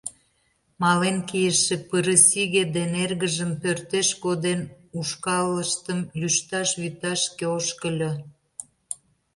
Мален кийыше пырысиге ден эргыжым пӧртеш коден, ушкалыштым лӱшташ вӱташке ошкыльо.